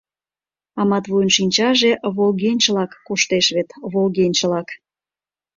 А Матвуйын шинчаже волгенчылак коштеш вет, волгенчылак.